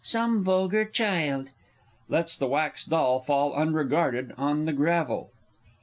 Some vulgar child ... [_Lets the wax doll fall unregarded on the gravel.